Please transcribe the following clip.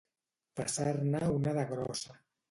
Passar-ne una de grossa.